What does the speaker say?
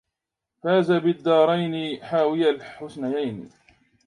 فاز بالدارين حاوي الحسنيين